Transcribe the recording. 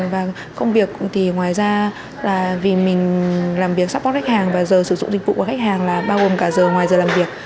và công việc thì ngoài ra là vì mình làm việc support khách hàng và giờ sử dụng dịch vụ của khách hàng là bao gồm cả giờ ngoài giờ làm việc